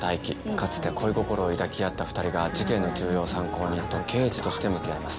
かつて恋心を抱き合った２人が事件の重要参考人と刑事として向き合います。